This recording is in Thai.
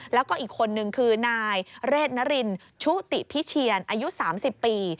แล้วก็อีกคนนึงคือนายเรทนรินชุติพิเชียนอายุ๓๐ปี